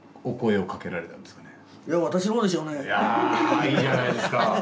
でいやいいじゃないですか！